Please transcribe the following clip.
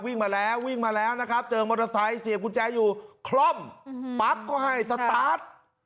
มาแล้ววิ่งมาแล้วนะครับเจอมอเตอร์ไซค์เสียบกุญแจอยู่คล่อมปั๊บก็ให้สตาร์ท